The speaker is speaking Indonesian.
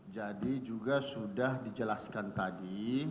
jadi juga sudah dijelaskan tadi